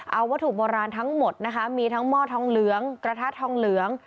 เอาวัตถุโบราณทั้งหมดนะคะมีทั้งหม้อทองเหลืองกระทะทองเหลือง